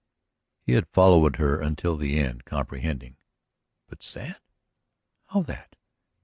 He had followed her until the end, comprehending. But sad? How that?